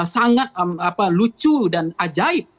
sangat lucu dan ajaib